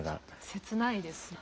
切ないですよね。